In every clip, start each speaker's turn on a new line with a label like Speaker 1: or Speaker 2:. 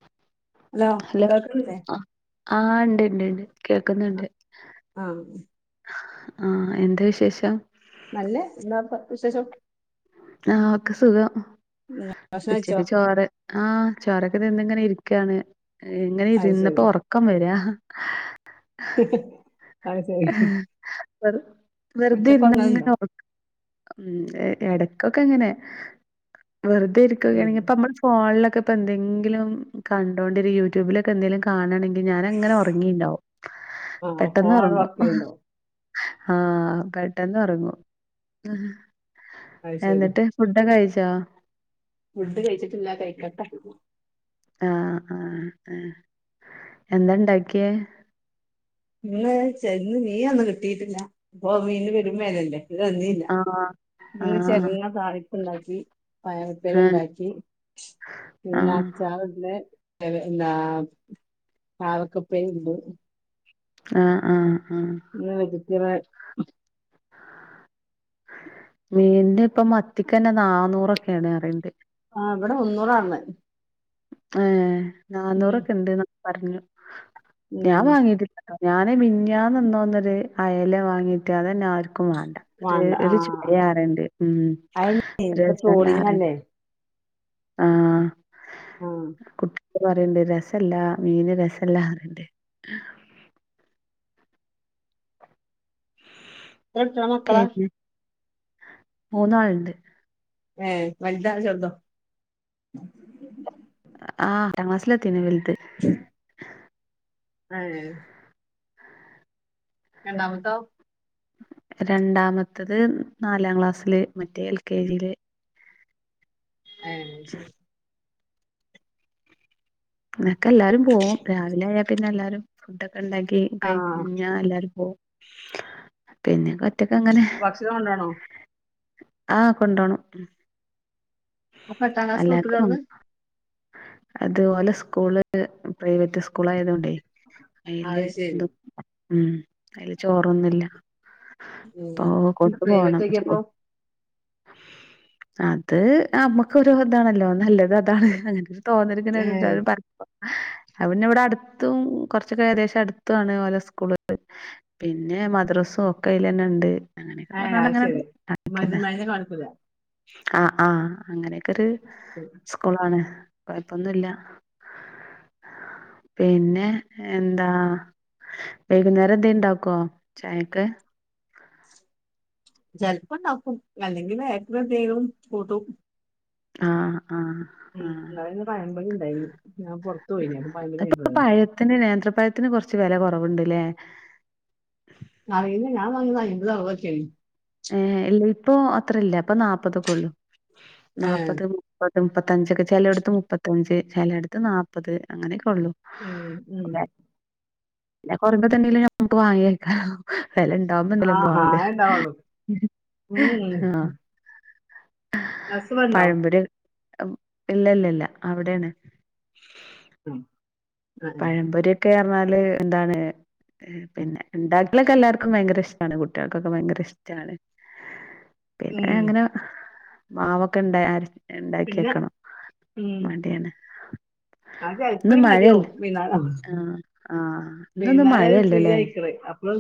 Speaker 1: [inaudible]
Speaker 2: Hello
Speaker 1: കേൾക്കണില്ലേ
Speaker 2: ആഹ് ഉണ്ട്, ഇണ്ട്ണ്ട് കേൾക്കുന്നുണ്ട്.
Speaker 1: [inaudible]
Speaker 2: ആ എന്താ വിശേഷം
Speaker 1: നല്ലേ എന്താപ്പോ വിശേഷം
Speaker 2: ആ ഒക്കെ സുഖം
Speaker 1: ഉം, ഭക്ഷണം കഴിച്ചോ
Speaker 2: ഉച്ചക്ക് ചോറ് ആ ചോറൊക്കെ തിന്ന്ങ്ങനെ ഇ ക്കാണ് ഇങ്ങനെ
Speaker 1: അത്
Speaker 2: ഇരുന്നപ്പോ
Speaker 1: ശരി
Speaker 2: ഉറക്കം വരാ
Speaker 1: അത് ശരി
Speaker 2: വെ വെറുതെ
Speaker 1: ഉച്ചക്ക്
Speaker 2: ഇരുന്നങ്ങനെ
Speaker 1: ഉറങ്ങലുണ്ടോ
Speaker 2: ഓർക്ക ഇടയ്ക്കൊക്കെ അങ്ങനെ വെറുതെ
Speaker 1: ഉം
Speaker 2: ഇരിക്കുകയാണെങ്കിൽ ഇപ്പം നമ്മൾ ഫോണിലൊക്കെ പ്പം എന്തെങ്കിലും കണ്ടോണ്ടിരിക്കു യൂട്യൂബിലൊക്കെ എന്തെങ്കിലും കാണാണെങ്കിൽ ഞാനങ്ങനെ ഉറങ്ങിണ്ടാവും
Speaker 1: ആഹ്
Speaker 2: പെട്ടെന്ന് ഉറങ്ങും
Speaker 1: [unintelligible]
Speaker 2: ആ പെട്ടെന്ന് ഉറങ്ങും
Speaker 1: അത് ശരി
Speaker 2: എന്നിട്ട് ഫുഡൊക്കെ കഴിച്ചോ
Speaker 1: ഫുഡ് കഴിച്ചിട്ടില്ല കഴിക്കട്ടെ
Speaker 2: ആ ആ ആ എന്താണ്ടാക്കിയെ
Speaker 1: ഇന്ന് ചന്ന് മിനൊന്നും കിട്ടിയിട്ടില്ല അപ്പം മീൻ പേരും വിലയല്ലേ
Speaker 2: ആഹ്
Speaker 1: [unintelligible] ഇന്ന്
Speaker 2: ആഹ്
Speaker 1: ചെറുങ്ങ താളിപ്പുണ്ടാക്കി പയറുപ്പേരി
Speaker 2: ആഹ്
Speaker 1: ഉണ്ടാക്കി പിന്നെ
Speaker 2: ആഹ്
Speaker 1: അച്ചാറ് ഇല്ലെ ന്താ പാവക്കപ്പേരിയുണ്ട്
Speaker 2: ആ ആ
Speaker 1: [unintelligible]
Speaker 2: മീനിനിപ്പം മത്തിക്കെന്നെ നാന്നൂറൊക്കെയാണ് പറിയിണ്ട്
Speaker 1: ആ ഇവിടെ മുന്നൂറാന്ന്
Speaker 2: ഏ നന്നൂറൊക്കെണ്ട് പറഞ്ഞ്
Speaker 1: ഉം
Speaker 2: ഞാൻ വാങ്ങിട്ടില്ലട്ടോ ഞാന് മിഞ്ഞാന്ന് ഇന്നോ ഇന്നലെ അയല വാങ്ങീട്ട് അതന്നെ ആർക്കും വേണ്ട ഒരു
Speaker 1: വേണ്ട
Speaker 2: ഒരു
Speaker 1: ആഹ്
Speaker 2: [unintelligible] ഉം
Speaker 1: അയന്നെ ഇപ്പൊ
Speaker 2: രസല്ലാറണ്ട്
Speaker 1: [inaudible]
Speaker 2: ആ
Speaker 1: ആഹ്
Speaker 2: പറയണ്ട് രസല്ല മീന് രസല്ലാ പറിണ്ട്
Speaker 1: ഇങ്ങള് എത്ര മക്കളാ
Speaker 2: മൂന്നാള്‍ണ്ട്‌
Speaker 1: എ വലുതാ അതോ ചെറുതോ
Speaker 2: ആ എട്ടാം ക്ലാസ്സിലെത്തീന് വലുത്
Speaker 1: ആ രണ്ടാമത്തോ
Speaker 2: രണ്ടാമത്തത് നാലാം ക്ലാസ്സില് മറ്റേ എൽ കെ ജിയില്
Speaker 1: ഏ
Speaker 2: പിന്നൊക്കെ എല്ലാരും പോകും രാവിലെ ആയാൽ പിന്നെ എല്ലാരും ഫുഡൊ ണ്ടാക്കി
Speaker 1: ആഹ്
Speaker 2: കഴിഞ്ഞാൽ എല്ലാരും പോകും പിന്നെ ഒറ്റക്ക് അങ്ങനെ
Speaker 1: ഭക്ഷണം കൊണ്ടോണോ
Speaker 2: ആ കൊണ്ടോണം
Speaker 1: അപ്പോ പട്ടാം ക്ലാസിൻ കിട്ടൂല്ലേ
Speaker 2: എല്ലാർക്കും
Speaker 1: ഓട്ന്ന്
Speaker 2: പോണം അതുപോലെ സ്കൂൾ പ്രൈവറ്റ് സ്കൂൾ ആയത്കൊണ്ടേ അയില്
Speaker 1: അത് ശരി
Speaker 2: ഉ അയില് ചോറൊന്നുല്ല
Speaker 1: ഉം
Speaker 2: അപ്പൊ
Speaker 1: എന്താ
Speaker 2: കൊണ്ടു
Speaker 1: പ്രൈവറ്റ്
Speaker 2: പോണം
Speaker 1: ആക്കിയപ്പോ
Speaker 2: അത് നമക്കൊരു ഇതാണല്ലോ നല്ലത് അതാണ് അങ്ങനെ തോന്നിരിക്കുന്ന
Speaker 1: ഏഹ്
Speaker 2: ഒരു പം അന്നെ ഇവിടെ അടുത്തും കുറച്ചൊക്കെ ഏകദേശം അടുത്താണ് ഓല സ്കൂൾ പിന്നെ മദ്രസും ഒക്കെ അയില് തന്നെണ്ട് അങ്ങനെയൊക്കെ
Speaker 1: ഏഹ്
Speaker 2: പറഞ്ഞാണ്ട്
Speaker 1: അത്
Speaker 2: അങ്ങനെ
Speaker 1: ശരി
Speaker 2: ആക്കിയതാ
Speaker 1: മജ്മൈനെ കാണിക്കൂല
Speaker 2: ആ ആ അങ്ങനെയൊക്കെ ഒരു സ്കൂളാണ് കൊഴപ്പൊന്നൂല്ലാ പിന്നെ എന്താ വൈകുന്നേരം എന്താ ഇണ്ടാക്കോ ചായക്ക്
Speaker 1: ചെലപ്പണ്ടാക്കും അല്ലെങ്കിൽ ബേക്കറി എന്തേലും കൂട്ടും
Speaker 2: ആ
Speaker 1: ഉം ഇന്നാണേൽ പഴംപൊരി ഉണ്ടായിരുന്നു ഞാൻപുറത്ത് പോയിന അപ്പ പഴമ്പൊരിയായിട്ടു
Speaker 2: ഇപ്പൊ
Speaker 1: വന്നു
Speaker 2: പഴത്തിന് കൊറച്ച് വില കുറവുണ്ടല്ലേ
Speaker 1: അറിയില്ല ഞാൻ വാങ്ങീത് അയ്മ്പതുഅറുപതൊക്കെയാണ്
Speaker 2: ഏ ഇല്ല ഇപ്പൊ അത്രയില്ല ഇപ്പൊ നാപ്പതൊക്കെയുള്ളു
Speaker 1: ഏഹ്
Speaker 2: നാപ്പത് മുപ്പത് മുപ്പത്തഞ്ചൊക്കെ ചില എടുത്ത് മുപ്പത്തഞ്ച് ചില എടുത്ത് നാപ്പത് അങ്ങനെ ഒള്ളു
Speaker 1: ഉം ഉം
Speaker 2: കൊറമ്പ തന്നെയല്ലേ മ്മക്ക് വാങ്ങിവയ്ക്കാന വില ഉണ്ടാവുമ്പണ്ടല്ലോ മ്മള്
Speaker 1: ആഹ് ആഹ്
Speaker 2: വാങ്ങൂല
Speaker 1: അതെ ഉണ്ടാവുള്ളൂ
Speaker 2: ആ
Speaker 1: നസുവാണ്ടോ
Speaker 2: ഇല്ലാ ഇല്ല ഇല്ല അവിടെയാണ്
Speaker 1: ഉം
Speaker 2: പഴംപൊരിക്കേ പറഞ്ഞാല് എന്താണ് പിന്നെ ഇണ്ടാക്കലൊക്കെ എല്ലാവർക്കും ഭയങ്കര ഇഷ്ടാണ് കുട്ടികൾക്കൊക്കെ ഭയങ്കര ഇഷ്ടാണ് പിന്നെ അങ്ങനെ മാവൊക്കെ ഇണ്ടായ ആര
Speaker 1: പിന്നെ
Speaker 2: ഇണ്ടാക്കിവെക്കണം മടിയാണ്
Speaker 1: ആ
Speaker 2: ഇന്ന്
Speaker 1: ജയ്പ്പുരി
Speaker 2: മഴയല്ലേ
Speaker 1: മതിയാവും
Speaker 2: ആഹ് ആഹ് ഇന്നൊന്നും
Speaker 1: പിന്നാലെ അത് ഫ്രീ
Speaker 2: മഴയല്ലല്ലേ
Speaker 1: ആയിരിക്കണ് അപ്പം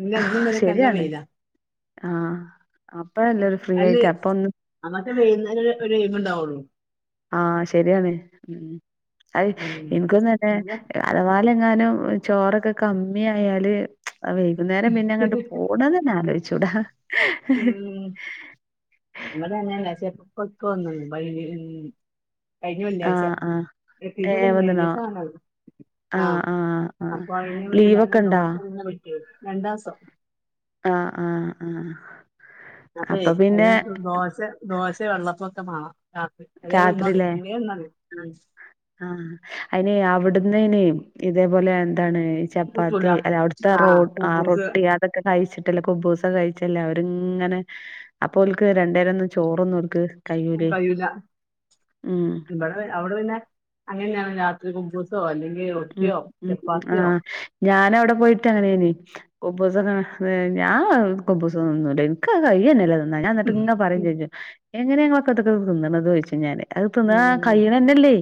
Speaker 1: ഇന്ന് എന്നുവെലക്കെല്ലാം
Speaker 2: ശരിയാണ്
Speaker 1: വെയിലാ
Speaker 2: ആഹ് അപ്പഴല്ലേ ഒരു ഫ്രീ
Speaker 1: അല്ലേ
Speaker 2: ആയിട്ട് അപ്പൊ ഒന്ന്
Speaker 1: നമ്മക്ക് വേയുന്നതൊരു ഇരിപ്പൊണ്ടാവുള്ളൂ
Speaker 2: ആ ശെരിയാണ് ഉം അത്
Speaker 1: ഉം
Speaker 2: എനിക്കൊന്നുതന്നെ
Speaker 1: പിന്നെ
Speaker 2: അതുപൊലെയെങ്ങാനും ചോറൊക്കെ കമ്മി ആയാല് വൈകുന്നേരം പിന്നെ അങ്ങോട്ട് പോണതന്നെ ആലോചിച്ചൂടാ
Speaker 1: ഉം ഇന്നലെ അങ്ങനെ [unintelligible] [unintelligible] കഴിഞ്ഞ വെള്ളിയാഴ്ച
Speaker 2: ആഹ് ആഹ് ഏഹ് വന്നിണോ
Speaker 1: [unintelligible]
Speaker 2: ആഹ്
Speaker 1: ആം
Speaker 2: ആഹ് ആഹ്
Speaker 1: അപ്പൊ അയിന്
Speaker 2: ലീവൊക്കെ
Speaker 1: എല്ലാരും
Speaker 2: ഇണ്ടാ
Speaker 1: നോക്കാനെ പറ്റിയ രണ്ടാസം
Speaker 2: ആ ആ ആ
Speaker 1: അപ്പയെ അതിനാത്ത് ദോശ ദോശ വെള്ളപ്പൊക്കെ മാണം ആ എന്തേലുംഒന്നുമതി
Speaker 2: രാത്രില്ലേ
Speaker 1: എന്തേലു ഒന്നുള്ളു ഉം
Speaker 2: ആഹ് അയിനെ അവിടന്നയ്നെ ഇതേപോലെ അതാണ് ഈ
Speaker 1: കിട്ടൂല
Speaker 2: ചപ്പാത്തി അല്ല അവിടുത്തെ റൊ ആ റൊട്ടി അതൊക്കെ കഴിച്ചിട്ടല്ലേ കുബ്ബൂസ് കഴിച്ച ച്ചെല്ല അവരിങ്ങനെ അപ്പൊ ഓൽക്ക് രണ്ടേരം ഒന്നും ചോറൊന്നും ഓൽക്ക് കയ്യൂലേ
Speaker 1: കഴിയൂല ഇവിടെ
Speaker 2: ഉം
Speaker 1: അവിടെ പിന്നെ അങ്ങനെയാണ് രാത്രി കുബ്ബൂസ് സോ അല്ലെങ്കി
Speaker 2: ഉം
Speaker 1: റൊട്ടിയോ
Speaker 2: ഉം
Speaker 1: ചപ്പാത്തിയോ
Speaker 2: ആഹ് ഞാനവിടെ പോയിട്ട് അങ്ങനെയാണ് കുബ്ബൂസൊന്നും ഞാന് കുബ്ബൂസൊന്നും തിന്നൂല്ല എനക്കത് കഴിയന്നല്ലാ ഞാൻ എന്നിട്ടിങ്ങനെ പറയുംചോദിച്ചും എങ്ങനെയാ നിങ്ങളിതൊക്കെ തിന്നണത് എന്നുചോദിച്ചു ഞാന് അതുതിന്നാ
Speaker 1: ഉം
Speaker 2: കൈയണന്നല്ലേ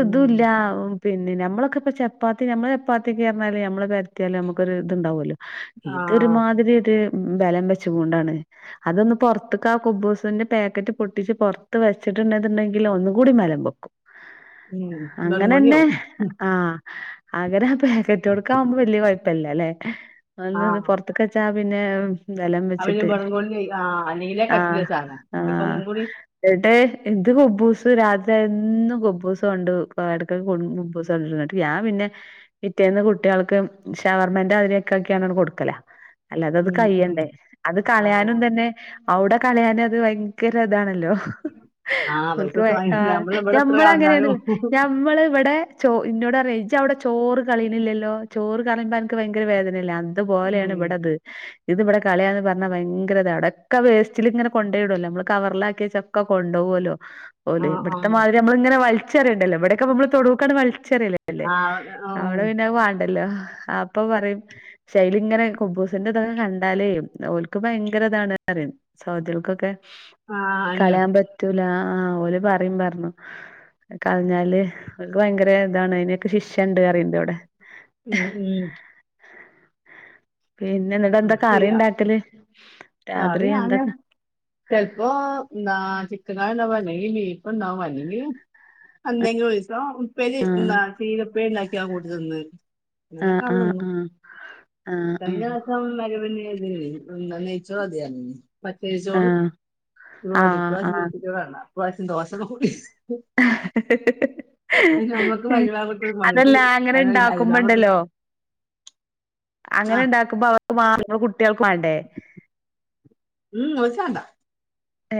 Speaker 1: ഉം
Speaker 2: ഇല്ലാ പിന്നെ നമ്മളൊക്കെ പ്പ ചപ്പാത്തി നമ്മള് ചപ്പാത്തി കേയറഞ്ഞാല് നമ്മള് പരത്തിയാല് നമുക്കൊരിതുണ്ടാവുമല്ലോ
Speaker 1: ആ
Speaker 2: ഇതൊരു മാതിരിത് ബലം വെച്ചുകൊണ്ടാണ് അതൊന്ന് പൊറത്ത്ക്ക് ആ കുബ്ബൂസിന്റെ പാക്കറ്റ് പൊട്ടിച്ച് പുറത്ത് വെച്ച് ട്ടില്ലാന്നുണ്ടെങ്കിൽ ഒന്നുകൂടി ബലം വെക്കും
Speaker 1: ഉം നങ്ങോണിയാവും
Speaker 2: ആ അങ്ങനെ ആ പാക്കറ്റോടൊക്കെയാവുമ്പോ വല്യകുഴപ്പല്ല അല്ലേ
Speaker 1: ആ
Speaker 2: അന്നത് പൊറത്ത്ക്ക് വെച്ചാ പിന്നെ നിലം
Speaker 1: അവന്
Speaker 2: വെച്ചിട്ട്
Speaker 1: ബർഗോണി ആ അല്ലെങ്കിലേ കട്ടിലെ
Speaker 2: ആഹ
Speaker 1: സാധനം ഇപ്പൊ
Speaker 2: ആഹ്
Speaker 1: ഒന്നും കൂടി
Speaker 2: കേട്ടേ ഇത് കുബൂസ് രാത്രി ആയ എന്നും കുബൂസ് കൊണ്ട് എടക്കടക്ക് [unintelligible] ഞാൻ പിന്നെ പിറ്റേന്ന് കുട്ടികൾക്ക് ഷവർമെൻ്റെ മാതിരിയൊക്കെ ആക്കിയാണ്ട് കൊടുക്കല. അല്ല അതത്
Speaker 1: ഉം ഉം
Speaker 2: കയ്യണ്ടേ അത്
Speaker 1: ആ
Speaker 2: കളയാനും തന്നെ ഔടെ കളയാനും അത് ഭയങ്കര ഇതാണ്. ല്ലോ
Speaker 1: ആ പൈസ
Speaker 2: ഓല്ക്ക് ആ
Speaker 1: വാങ്ങില്ല നമ്മൾ ഇവിടെ എത്ര
Speaker 2: ഞമ്മൾ
Speaker 1: കളഞ്ഞാലും
Speaker 2: അങ്ങനെണല്ലോ ഞമ്മൾ വടെ ചോ ഇന്നോട് പറിയാ ജ് അവിടെ ചോറ് കളയുന്നില്ലല്ലോ ചോറ് കളയുമ്പോ അനക്ക് ഭയങ്കര വേദനയല്ലേ അതുപോലെയാണ്
Speaker 1: ഉം
Speaker 2: ബടെത്. ഇത് ഇവിടെ കളയാന്ന് പറഞ്ഞാ ഭയങ്കരത, അവിടൊക്കെ വേസ്റ്റിൽ ഇങ്ങനെ കൊണ്ടോയിടുല്ലോ, നമ്മള് കവറിലാക്കി വെച്ചൊക്ക കൊണ്ടോവോല്ലോ?
Speaker 1: ആ
Speaker 2: ഓലെയ്,
Speaker 1: ആ
Speaker 2: ഇവിടത്തെ മാതിരി നമ്മൾ ഇങ്ങനെ വലിച്ചെറിയണ്ടല്ലോ ഇവിടെയൊക്കെ നമ്മള് തൊടുക്കണ്ട് വലി ചെറിയല്ലല്ലേ,
Speaker 1: ആ ഉം,
Speaker 2: അവിടെ പിന്നെ അത് വാണ്ടല്ലോ അപ്പൊ പറയും ശൈലി ഇങ്ങനെ. കുബൂസിന്റെ ഇതൊക്കെ കണ്ടാലേ ഓൽക്ക് ഭയങ്കര ഇതാണ് പറിം സൗദിൾക്കൊക്കെ.
Speaker 1: ആ ഞാൻ-
Speaker 2: കളയാൻ പറ്റൂല. ആഹ ഓല് പറ്യും പർഞ്ഞു, കളഞ്ഞാല്. ഓൽക്ക് ഭയങ്കര ഇതാണ് അയ്നൊക്കെ ശിക്ഷണ്ട് പറയ്ണ്ടവിടെ.
Speaker 1: ഉം, ഉം.
Speaker 2: പിന്നെ ഇന്ന്ടെന്ത
Speaker 1: നമുക്ക് ചെയ്യാം
Speaker 2: കറിണ്ടാക്കല്, രാത്രി എന്ത ക
Speaker 1: ചെല്പോ ന്താ ചിക്കൻ കറിഇണ്ടാവും അല്ലെങ്കി ബീഫ് ണ്ടാക്കും അല്ലെങ്കില് എന്തെങ്കിലും
Speaker 2: ആ
Speaker 1: [unintelligible] അങ്ങനെ ഒക്കെ
Speaker 2: ആ
Speaker 1: ആള്
Speaker 2: ആ
Speaker 1: തിന്നും.
Speaker 2: ആ ആഹ്
Speaker 1: [unintelligible] [unintelligible] നെയ്ച്ചോറതി പറഞ്ഞിനി. പച്ചരി ചോറും
Speaker 2: ആഹ് ആഹ് ആഹ്
Speaker 1: ഇപ്രാവശ്യം.
Speaker 2: ആഹ്
Speaker 1: [unintelligible]
Speaker 2: ഹി ഹി ഹ്..
Speaker 1: അതിന് നമുക്ക്
Speaker 2: ഹ്
Speaker 1: മരുഭാഗത്ത് പണിക്ക്
Speaker 2: അതെല്ലാ,
Speaker 1: മരുഭാഗത്ത്
Speaker 2: അങ്ങനെണ്ടാക്കുമ്പോണ്ടല്ലോ?
Speaker 1: ആ
Speaker 2: അങ്ങനെണ്ടാക്കുമ്പോ അവർക്ക് മാത്രം മതിയോ അപ്പൊ കുട്യാൾക്ക് മാണ്ടേ?
Speaker 1: ഉം ഓൽച്ചാണ്ട.
Speaker 2: ഏ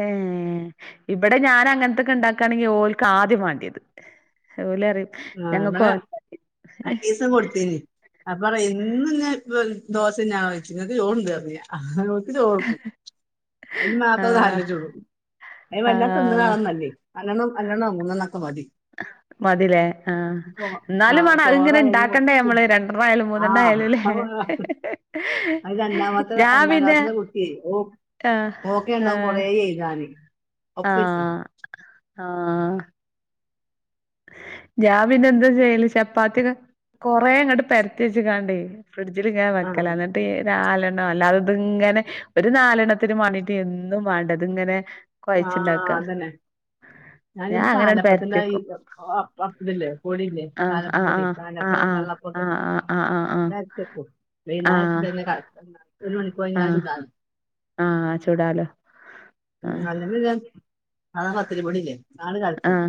Speaker 2: ഇബടെ ഞാൻ അങ്ങൻത്തൊക്കെ ഇണ്ടാക്കാണെങ്കി ഓൽക്ക ആദ്യം വാണ്ടിയത്. ഓലറിം.
Speaker 1: ആങ്ങനെ
Speaker 2: ഞങ്ങക്കും അതൊന്നും മതി
Speaker 1: രണ്ടീസം കൊടുത്തീനി. അപ്പറ്യ ഇന്നും ന്നി ദോശ ന്നെ ആണോയ്ച്ച്. ങ്ങക്ക് ചോറ്ണ്ട് ന്നർഞ്ഞ് ഞാൻ ചോറൊടുക്കും. അതിന് മാത്ര
Speaker 2: ആഹ്
Speaker 1: [unintelligible] അയിന്
Speaker 2: ആഹ്
Speaker 1: വല്ലാനിന്ന്ണാളൊന്നല്ലേയ് രണ്ടെണോ മൂന്നെണ്ണൊക്കെ മതി.
Speaker 2: അഹ് മതിലേ ആ
Speaker 1: ചോ ആ
Speaker 2: ന്നാലും മാണം അത്ങ്ങനെ
Speaker 1: ചോറായാലും
Speaker 2: ഇണ്ടാക്കണ്ടേ
Speaker 1: കുറച്ച്
Speaker 2: നമ്മള് രണ്ടെണ്ണായാലും
Speaker 1: ആ
Speaker 2: മൂന്നെണ്ണായാലുംല്ലേ?
Speaker 1: അത്
Speaker 2: ഹി ഹി ഞാ പിന്നെ ആഹ്
Speaker 1: ഓക്ക്നെണ്ടാവും കൊറേ എയ്താന്.
Speaker 2: ആഹ ആഹ ഞാൻ പിന്നെ എന്താ ചെയ്യല് ചപ്പാത്തിയൊക്കെ കൊറെ അങ്ങട്ട് പരത്തി വെച്ച് കാണ്ടെ ഫ്രിഡ്ജിൽ ഇങ്ങനെ
Speaker 1: ആ
Speaker 2: വെക്കല എന്നിട്ട് നാ അല്ലാതെഇത് ഇങ്ങനെ, ഒരു നാലെണ്ണത്തിനും വാണ്ടിട്ട് എന്നും വാണ്ടെ തിങ്ങനെ.
Speaker 1: ആ അതന്നെ
Speaker 2: ഞാൻ
Speaker 1: ഞാനിപ്പ
Speaker 2: അങ്ങനെണ്ട്
Speaker 1: പാലപ്പത്തിൻ്റയി
Speaker 2: പരത്തിവെക്കും
Speaker 1: ഓ [unintelligible] പൊടിയില്ലേ
Speaker 2: ആഹ്
Speaker 1: പാലപ്പ
Speaker 2: ആഹ്
Speaker 1: പൊടി
Speaker 2: ആഹ്
Speaker 1: പാലപ്പം
Speaker 2: ആഹ്
Speaker 1: വെള്ളപ്പൊക്കെ
Speaker 2: ആഹ് ആഹ് ആഹ്
Speaker 1: അത് അരച്ച [unintelligible]
Speaker 2: ആഹ് ആഹ് ആഹ്
Speaker 1: ഒരു മണിക്കൂറ ഴിഞ്ഞാൽ
Speaker 2: ആഹ്
Speaker 1: ചൂടാലൊ
Speaker 2: ആഹ് ചുടാലോ
Speaker 1: ഉം.. അല്ലെങ്കി ഞാൻ സാധാ പത്തിരി പൊടില്ലേ?
Speaker 2: ആഹ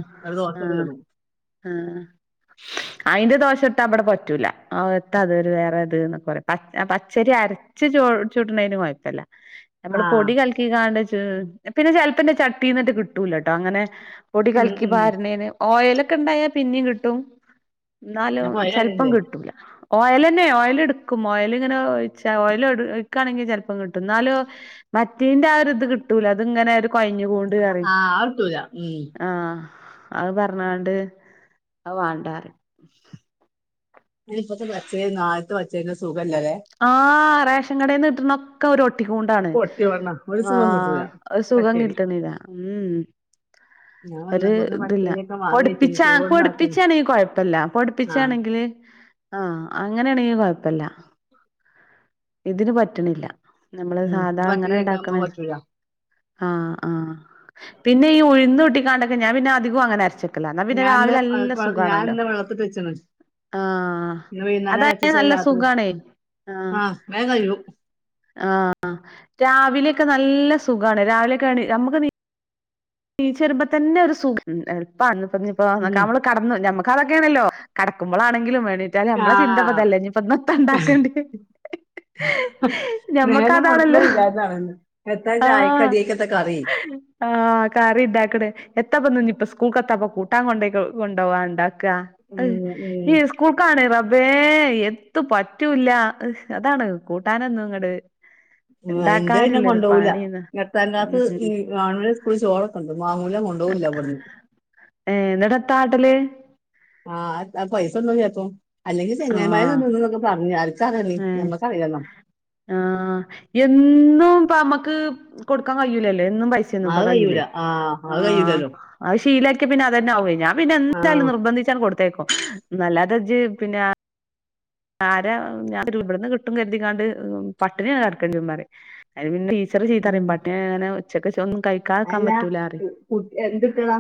Speaker 2: ആഹ ആഹ അയ്ന്റെ ദോഷട്ടാ ഇവടെ പറ്റൂല. ത്താദ് ഒരുവേറൊര്ത് ഒക്കെ പറയും പച്ചരി അരച്ച് ചു ചുട്ണേന് കൊയപ്പല്ല. നമ്മള്
Speaker 1: ആ
Speaker 2: പൊടി കൽക്കി കാണ്ട് ചു ട് പിന്നെ ചെലപ്പന്റെ ചട്ടിന്നറ്റെ കിട്ടൂലട്ടോ അങ്ങനെ. പൊടി
Speaker 1: ഉം
Speaker 2: കലക്കി
Speaker 1: ഉം
Speaker 2: പാരണേന്, ഓയലൊക്കെണ്ടായാ പിന്നിം കിട്ടും. ഇന്നാലും
Speaker 1: ഞാൻ
Speaker 2: ചെലപ്പം
Speaker 1: പോയാലേ
Speaker 2: കിട്ടൂല. ഓയിൽ എന്നെ ഓയിൽ എടുക്കും ഓയിൽ ഇങ്ങനെ ഓൽ ഇങ്ങനെ ഒഴിച്ച ഓയൽ ഒരു കാണെകി ചെൽപ്പം കി എന്നാലോ മറ്റേദിന്റെ ആ ഒരു ഇത് കിട്ടൂല അത്ങ്ങനെ കൊഴഞ്ഞു പോണ്ട് പറിയും
Speaker 1: ആഹ് അത് കിട്ടൂല ഉം
Speaker 2: ആ അത് പറഞ്ഞണ്ട്അത് വാണ്ടറഞ്ഞ്
Speaker 1: ഇപ്പത്തെ പച്ചേ നാത്ത പച്ചേന്റെ സുഖ
Speaker 2: ആ റേഷൻ കടന്ന്ട്ട്ണൊക്കൊരു ഒരു ഒ ഒട്ടികൊണ്ടാണ്
Speaker 1: പൊട്ടി വന്ന ഒരു
Speaker 2: ആ
Speaker 1: സുഖം കിട്ടൂല
Speaker 2: ഒരു സുഖം
Speaker 1: പച്ചരി
Speaker 2: കിട്ടണില്ല മ് മ്
Speaker 1: ഞാൻ
Speaker 2: ഒരു
Speaker 1: വന്നപ്പോത്തിന്
Speaker 2: ഇതില്ല
Speaker 1: പച്ചരിയൊക്കെ വാങ്ങി വെച്ചിന്
Speaker 2: പൊടിപ്പിച്ച
Speaker 1: ചോറുണ്ടാക്കാൻ
Speaker 2: പൊടിപ്പിച്ചാണെങ്കി കൊഴപ്പില്ല
Speaker 1: ആഹ്
Speaker 2: പൊടിപ്പിച്ചാണെങ്കില് ആ അങ്ങനെയ ആണെങ്കി നോക്കല്ല ഇതിന് പറ്റണില്ല നമ്മള്
Speaker 1: ഉം
Speaker 2: സാധാ
Speaker 1: ഇത്
Speaker 2: അങ്ങനെ
Speaker 1: പച്ചരിയൊക്കെ
Speaker 2: ഇണ്ടാക്കണ
Speaker 1: ആവുമ്പോ പറ്റൂല
Speaker 2: ആ ആ പിന്നെ ഈ ഉഴന്ന് ഊട്ടികണ്ട് ഞാൻ പിന്നെ അധികം അങ്ങനെ അരച്ചട്ട എന്നാ പിന്നെ
Speaker 1: ഞാനിന്ന്
Speaker 2: രാവിലെ നല്ല സുഖമാണല്ലോ
Speaker 1: ഞാനിന്ന് വെള്ളത്തിട്ട് വെച്ച്ണ്
Speaker 2: ആ
Speaker 1: ഇന്ന്
Speaker 2: അതായ നല്ല സുഖണേ
Speaker 1: ആ വേ കയ്യും
Speaker 2: ആ രാവിലെയൊക്കെ നല്ല സുഖാണ് രാവിലെയൊക്കെ ആ നമുക്ക് നീ നീ ചെരുമ്പോ തന്നെ ഒരു സൂ എളുപ്പ നിപ്പോ
Speaker 1: ഉം
Speaker 2: നമ്മള് കടന്നു അതൊക്കെയാനല്ലോ കടക്കുമ്പോളനെങ്കിലും വിട്ടാല് നമ്മളെ ചിന്താ
Speaker 1: ആഹ്
Speaker 2: പതല്ലേ ഇനിയിപ്പൊ ന്ന് താ ഉണ്ടാക്കേണ്ടെ
Speaker 1: നേല വെള്ക്കു ഇല്ലാതാണന്ന് എത്താച്ചയക്കടി ആയിക്കത്ത കറി
Speaker 2: ആ കറി ഇതാക്കട് എത്തപ്പ ഇ ഇപ്പ സ്കൂൾ കത്താപ്പ കൂട്ടാൻ കൊണ്ട് കൊണ്ടവാണ്ട
Speaker 1: ഉം ഉം
Speaker 2: സ്കൂൾക് ആണേ [unintelligible] വേ എത്തു പറ്റൂല്ല ഹ്‌ അതാണ് കൂട്ടാനൊന്നും ഇങ്ങട്
Speaker 1: അതിന്റെ പിന്നെ
Speaker 2: ഇണ്ടാക്കാന്ള്ള ഒരു
Speaker 1: കൊണ്ടുപോകില്ല
Speaker 2: പണീന്ന്
Speaker 1: എട്ടാം ക്ലാസ് ഈ ഗവൺമെന്റ് സ്കൂളിൽ ചോറൊക്കെ ഉണ്ട് വാങ്ങൂല കൊണ്ടുപോകില്ല ഇവിടുന്ന്
Speaker 2: ഏ ഇന്നിട്ട് എത്ത ആട്ടല്.
Speaker 1: ആ പൈസ ഉണ്ടോ ചേപ്പോ അല്ലെങ്കിൽ ചെങ്ങനമാന്നൊക്കെ പറഞ്ഞു ആർക്കറിയാം
Speaker 2: ഏ
Speaker 1: നമ്മക്കറിയില്ലല്ലോ
Speaker 2: ആ എന്നും ഇപ്പ നമ്മക്ക് കൊടുക്കാൻ കഴിലല്ലോ എന്നും പൈസ
Speaker 1: അത്
Speaker 2: കയ്യിൽ
Speaker 1: കഴിയൂല
Speaker 2: ആ
Speaker 1: അത് കഴിയൂലല്ലോ
Speaker 2: അത് ശീലം പിന്നെ അതെന്നെ ആവ്യെ ഞാൻ പിന്നെ
Speaker 1: ആ
Speaker 2: എന്തായാലും നിർബന്ധിച്ചാൻ കൊടുത്തേക്കും നല്ലാതജ് പിന്നെ ആരാ ഞ ഇവിടുന്ന് കിട്ടും കരുതിക്കാണ്ട് പട്ടിണി കടക്കണ്ടമാ [unintelligible]
Speaker 1: ഉം.
Speaker 2: പണ്ടേ അങ്ങനെച്ചക്കെ തൊന്നും കഴിക്കാക്കാൻ
Speaker 1: അല്ല
Speaker 2: പറ്റൂലറി
Speaker 1: കുട്ടി എന്തിട്ടടാ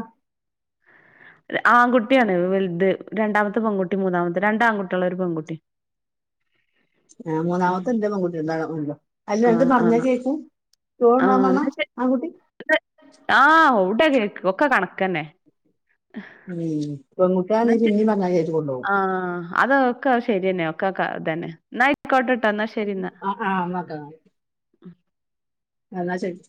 Speaker 2: ആൺകുട്ടിയാണ് വലുത് രണ്ടാമത്തെ പെൺകുട്ടി മൂന്നാമത്തെ രണ്ട ആൺകുട്ടികളും ഒരു പെൺകുട്ടി
Speaker 1: ആ മൂന്നാമത്തെ എന്റെ പെൺകുട്ടി ഉണ്ട അല്ല രണ്ട് പറഞ്ഞാ കേക്കൂ
Speaker 2: ആ എന്ന [unintelligible] ഒക്കെ കണക്കന്നെ
Speaker 1: ഉം പെൺകുട്ടി ആണെങ്കിൽ പിന്ന പറഞ്ഞകേൾക്കും
Speaker 2: ആ അതൊക്കെ ശരിയന്നെ ഒക്കെതന്നെ ന്ന ആയിക്കോട്ടെ ന്നാ ശരി എന്നാ
Speaker 1: ആ ആ എന്നാ ഒക്കെ. എന്നാ ശരി